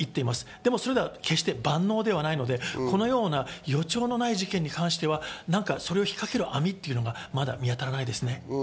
でもそれは決して万能ではないので、このような予兆のない事件に関しては、それを引っかける網というのがまだ見当たらないですね。